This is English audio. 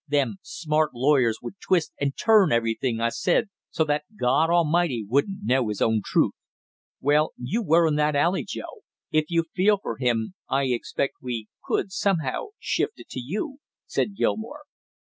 Them smart lawyers would twist and turn everything I said so that God A'mighty wouldn't know His own truth!" "Well, you were in that alley, Joe; if you feel for him, I expect we could somehow shift it to you!" said Gilmore.